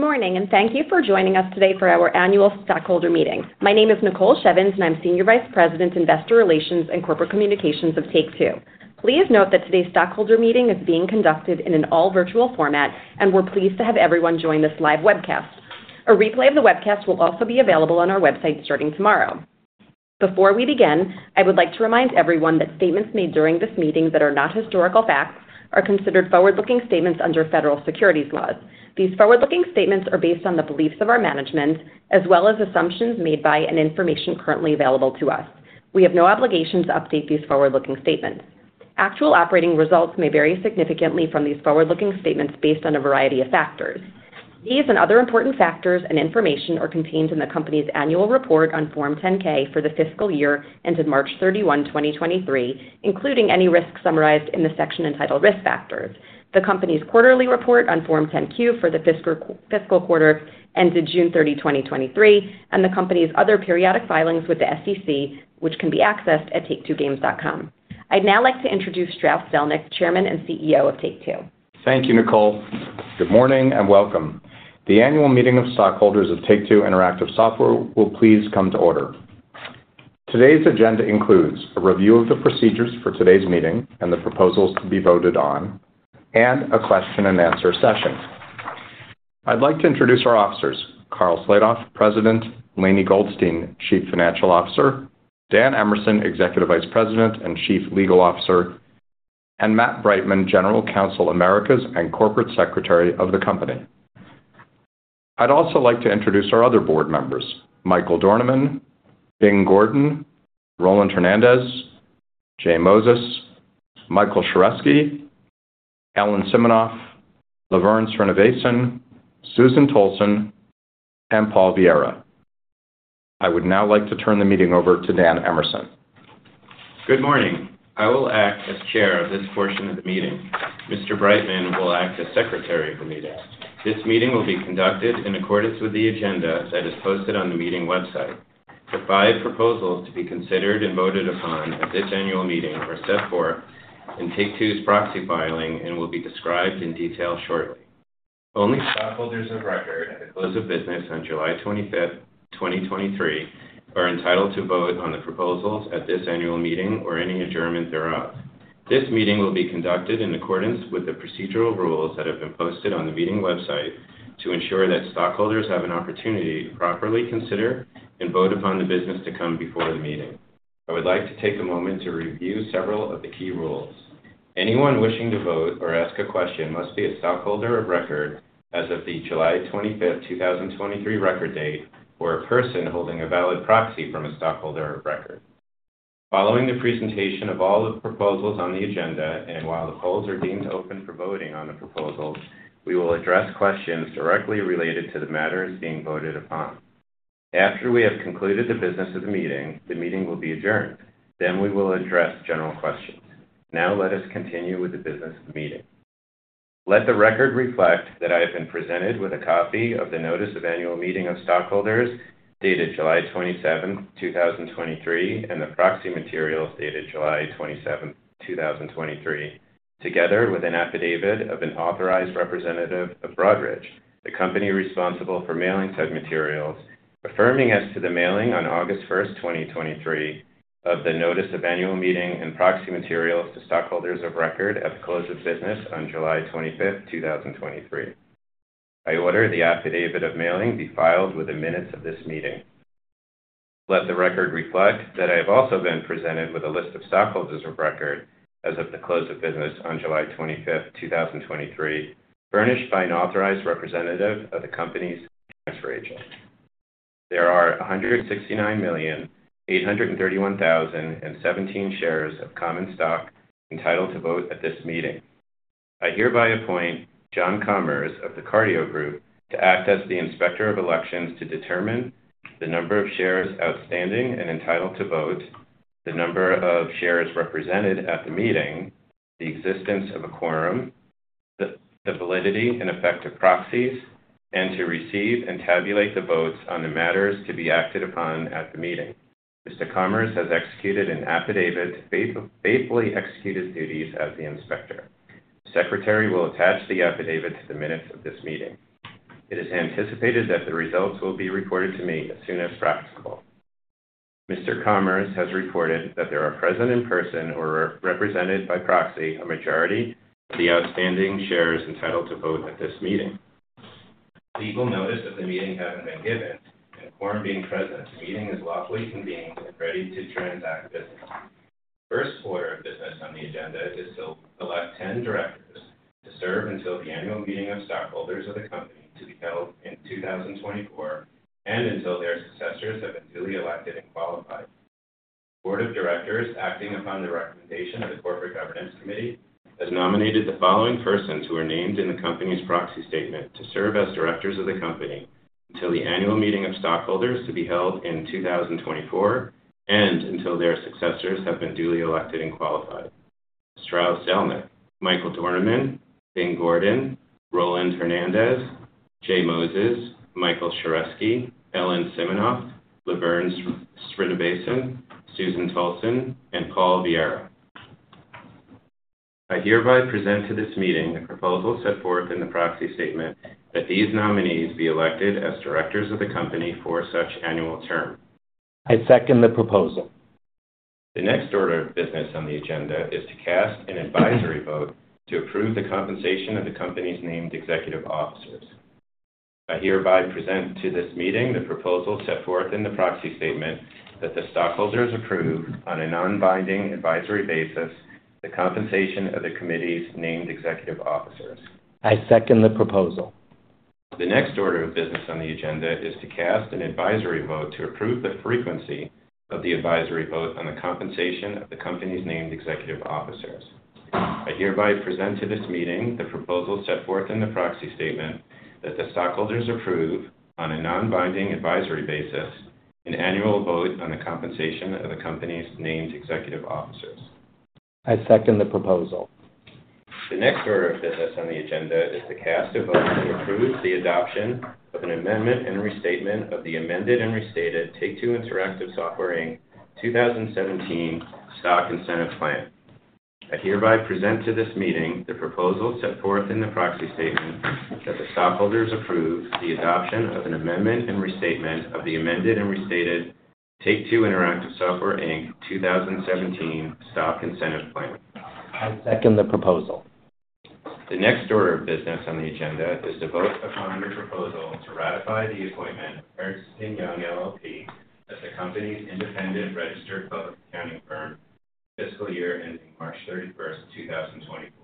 Good morning, and thank you for joining us today for our annual stockholder meeting. My name is Nicole Shevins, and I'm Senior Vice President, Investor Relations and Corporate Communications of Take-Two. Please note that today's stockholder meeting is being conducted in an all virtual format, and we're pleased to have everyone join this live webcast. A replay of the webcast will also be available on our website starting tomorrow. Before we begin, I would like to remind everyone that statements made during this meeting that are not historical facts are considered forward-looking statements under federal securities laws. These forward-looking statements are based on the beliefs of our management, as well as assumptions made by and information currently available to us. We have no obligation to update these forward-looking statements. Actual operating results may vary significantly from these forward-looking statements based on a variety of factors. These and other important factors and information are contained in the company's annual report on Form 10-K for the fiscal year ended March 31, 2023, including any risks summarized in the section entitled Risk Factors, the company's quarterly report on Form 10-Q for the fiscal quarter ended June 30, 2023, and the company's other periodic filings with the SEC, which can be accessed at take2games.com. I'd now like to introduce Strauss Zelnick, Chairman and CEO of Take-Two. Thank you, Nicole. Good morning, and welcome. The annual meeting of stockholders of Take-Two Interactive Software will please come to order. Today's agenda includes: a review of the procedures for today's meeting and the proposals to be voted on, and a question and answer session. I'd like to introduce our officers, Karl Slatoff, President, Lainie Goldstein, Chief Financial Officer, Dan Emerson, Executive Vice President and Chief Legal Officer, and Matt Breitman, General Counsel Americas and Corporate Secretary of the company. I'd also like to introduce our other board members: Michael Dornemann, Bing Gordon, Roland Hernandez, J Moses, Michael Sheresky, Ellen Siminoff, LaVerne Srinivasan, Susan Tolson, and Paul Viera. I would now like to turn the meeting over to Dan Emerson. Good morning. I will act as Chair of this portion of the meeting. Mr. Breitman will act as Secretary of the meeting. This meeting will be conducted in accordance with the agenda that is posted on the meeting website. The five proposals to be considered and voted upon at this annual meeting are set forth in Take-Two's proxy filing and will be described in detail shortly. Only stockholders of record at the close of business on July 25, 2023, are entitled to vote on the proposals at this annual meeting or any adjournment thereof. This meeting will be conducted in accordance with the procedural rules that have been posted on the meeting website to ensure that stockholders have an opportunity to properly consider and vote upon the business to come before the meeting. I would like to take a moment to review several of the key rules. Anyone wishing to vote or ask a question must be a stockholder of record as of the July 25, 2023, record date, or a person holding a valid proxy from a stockholder of record. Following the presentation of all the proposals on the agenda, and while the polls are deemed open for voting on the proposals, we will address questions directly related to the matters being voted upon. After we have concluded the business of the meeting, the meeting will be adjourned, then we will address general questions. Now let us continue with the business of the meeting. Let the record reflect that I have been presented with a copy of the Notice of Annual Meeting of Stockholders dated July 27, 2023, and the proxy materials dated July 27, 2023, together with an affidavit of an authorized representative of Broadridge, the company responsible for mailing said materials, affirming as to the mailing on August 1, 2023, of the notice of annual meeting and proxy materials to stockholders of record at the close of business on July 25, 2023. I order the affidavit of mailing be filed with the minutes of this meeting. Let the record reflect that I have also been presented with a list of stockholders of record as of the close of business on July 25, 2023, furnished by an authorized representative of the company's transfer agent. There are 169,831,017 shares of common stock entitled to vote at this meeting. I hereby appoint John Commers of The Carideo Group to act as the Inspector of Elections to determine the number of shares outstanding and entitled to vote, the number of shares represented at the meeting, the existence of a quorum, the validity and effect of proxies, and to receive and tabulate the votes on the matters to be acted upon at the meeting. Mr. Commers has executed an affidavit to faithfully execute duties as the inspector. The secretary will attach the affidavit to the minutes of this meeting. It is anticipated that the results will be reported to me as soon as practical. Mr. Commers has reported that there are present in person or represented by proxy, a majority of the outstanding shares entitled to vote at this meeting. Legal notice of the meeting having been given, and quorum being present, the meeting is lawfully convened and ready to transact business. The first order of business on the agenda is to elect 10 directors to serve until the annual meeting of stockholders of the company to be held in 2024 and until their successors have been duly elected and qualified. The Board of Directors, acting upon the recommendation of the Corporate Governance Committee, has nominated the following persons who are named in the company's proxy statement to serve as directors of the company until the annual meeting of stockholders to be held in 2024 and until their successors have been duly elected and qualified: Strauss Zelnick, Michael Dornemann, Bing Gordon, Roland Hernandez, Jay Moses, Michael Sheresky, Ellen Siminoff, LaVerne Srinivasan, Susan Tolson, and Paul Viera. I hereby present to this meeting the proposal set forth in the proxy statement that these nominees be elected as directors of the company for such annual term. I second the proposal. The next order of business on the agenda is to cast an advisory vote to approve the compensation of the company's named executive officers. I hereby present to this meeting the proposal set forth in the proxy statement that the stockholders approve, on a non-binding advisory basis, the compensation of the committee's named executive officers. I second the proposal. The next order of business on the agenda is to cast an advisory vote to approve the frequency of the advisory vote on the compensation of the company's named executive officers. I hereby present to this meeting the proposal set forth in the proxy statement that the stockholders approve, on a non-binding advisory basis, an annual vote on the compensation of the company's named executive officers. I second the proposal. The next order of business on the agenda is to cast a vote to approve the adoption of an amendment and restatement of the amended and restated Take-Two Interactive Software, Inc., 2017 stock incentive plan. I hereby present to this meeting the proposal set forth in the proxy statement that the stockholders approve the adoption of an amendment and restatement of the amended and restated Take-Two Interactive Software, Inc., 2017 stock incentive plan. I second the proposal. The next order of business on the agenda is to vote upon the proposal to ratify the appointment of Ernst & Young LLP as the company's independent registered public accounting firm, fiscal year ending March 31, 2024.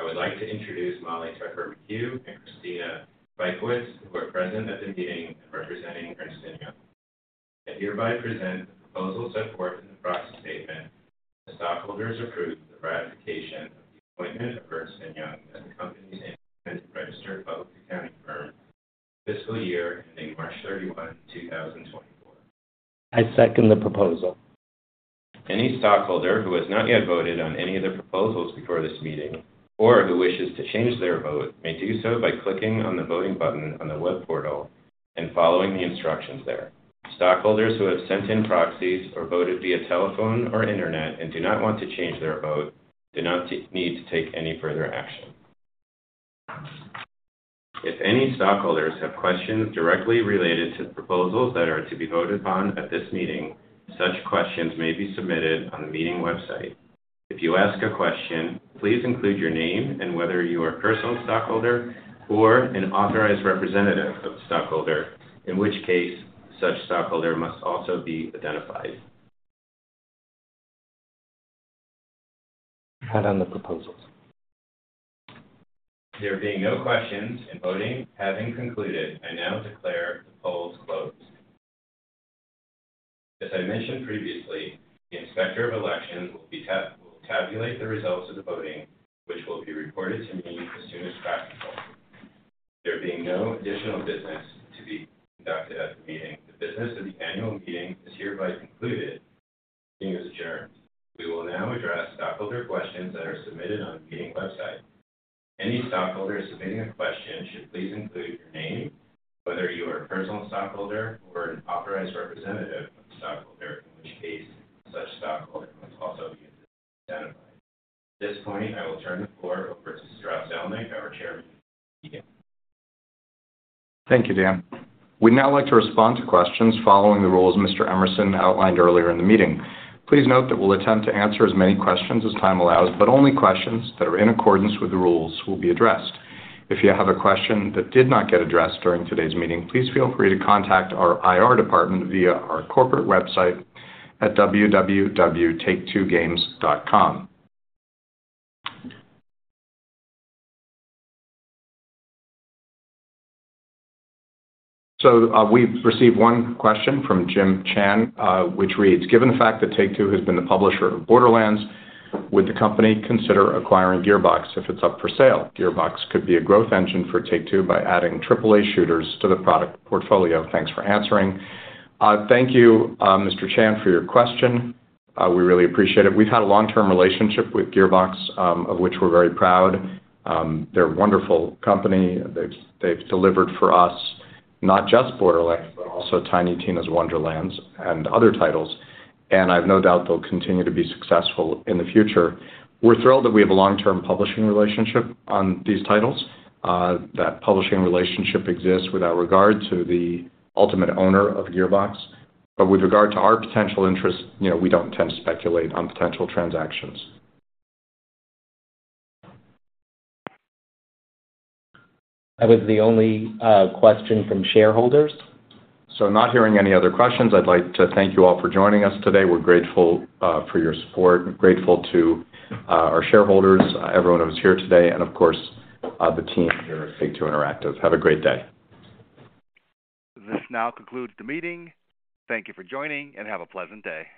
I would like to introduce Molly Tucker-McHugh and Christina Bykovetz, who are present at the meeting representing Ernst & Young. I hereby present the proposal set forth in the proxy statement, the stockholders approve the ratification of the appointment of Ernst & Young as the company's independent registered public accounting firm, fiscal year ending March 31, 2024. I second the proposal. Any stockholder who has not yet voted on any of the proposals before this meeting or who wishes to change their vote may do so by clicking on the voting button on the web portal and following the instructions there. Stockholders who have sent in proxies or voted via telephone or internet and do not want to change their vote do not need to take any further action. If any stockholders have questions directly related to the proposals that are to be voted upon at this meeting, such questions may be submitted on the meeting website. If you ask a question, please include your name and whether you are a personal stockholder or an authorized representative of the stockholder, in which case such stockholder must also be identified. Add on the proposals. There being no questions and voting having concluded, I now declare the polls closed. As I mentioned previously, the Inspector of Elections will tabulate the results of the voting, which will be reported to me as soon as practical. There being no additional business to be conducted at the meeting, the business of the annual meeting is hereby concluded. The meeting is adjourned. We will now address stockholder questions that are submitted on the meeting website. Any stockholder submitting a question should please include your name, whether you are a personal stockholder or an authorized representative of the stockholder, in which case such stockholder must also be identified. At this point, I will turn the floor over to Strauss Zelnick, our Chairman of the meeting. Thank you, Dan. We'd now like to respond to questions following the rules Mr. Emerson outlined earlier in the meeting. Please note that we'll attempt to answer as many questions as time allows, but only questions that are in accordance with the rules will be addressed. If you have a question that did not get addressed during today's meeting, please feel free to contact our IR department via our corporate website at www.taketwogames.com. We've received one question from Jim Chan, which reads: "Given the fact that Take-Two has been the publisher of Borderlands, would the company consider acquiring Gearbox if it's up for sale? Gearbox could be a growth engine for Take-Two by adding triple A shooters to the product portfolio. Thanks for answering." Thank you, Mr. Chan, for your question. We really appreciate it. We've had a long-term relationship with Gearbox, of which we're very proud. They're a wonderful company. They've, they've delivered for us, not just Borderlands, but also Tiny Tina's Wonderlands and other titles, and I've no doubt they'll continue to be successful in the future. We're thrilled that we have a long-term publishing relationship on these titles. That publishing relationship exists without regard to the ultimate owner of Gearbox. But with regard to our potential interest, you know, we don't tend to speculate on potential transactions. That was the only, question from shareholders. So not hearing any other questions, I'd like to thank you all for joining us today. We're grateful, for your support and grateful to, our shareholders, everyone who is here today and, of course, the team here at Take-Two Interactive. Have a great day. This now concludes the meeting. Thank you for joining, and have a pleasant day.